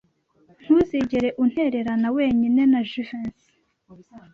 Ntuzigere untererana wenyine na Jivency.